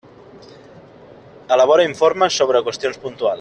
Elabora informes sobre qüestions puntuals.